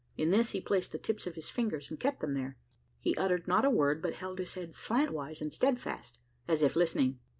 In this he placed the tips of his fingers, and kept them there. He uttered not a word, but held his head slantwise and steadfast, as if listening.